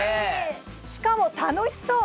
しかも楽しそう。